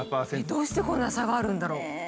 どうしてこんな差があるんだろ？